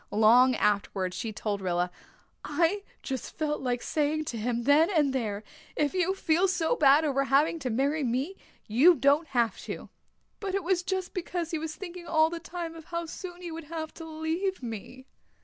Long afterwards she told Rilla, "I just felt like saying to him then and there, 'If you feel so bad over having to marry me you don't have to.' But it was just because he was thinking all the time of how soon he would have to leave me."